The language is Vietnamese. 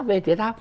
về thể thao